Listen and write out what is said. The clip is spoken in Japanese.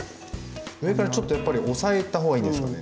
上からちょっとやっぱり押さえた方がいいんですかね？